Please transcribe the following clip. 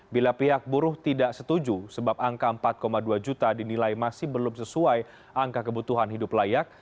bila pihak buruh tidak setuju sebab angka empat dua juta dinilai masih belum sesuai angka kebutuhan hidup layak